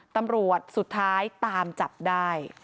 ตำรวจสุดท้ายตามจับได้